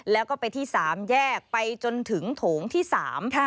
แล้วก็ไปที่สามแยกไปจนถึงโถงที่สาม